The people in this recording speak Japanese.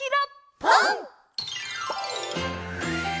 「ぽん」！